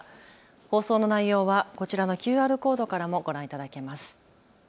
放送の内容はこちらのＱＲコードからもご覧いただけます。